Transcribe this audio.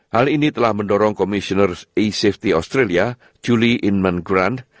hal ini telah mendorong komisioner a safety australia julie inman grand